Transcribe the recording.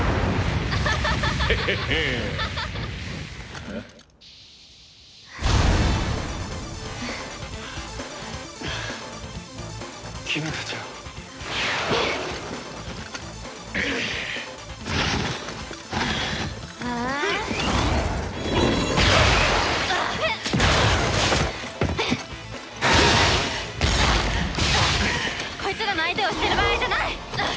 こいつらの相手をしてる場合じゃない！